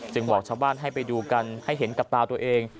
บอกชาวบ้านให้ไปดูกันให้เห็นกับตาตัวเอง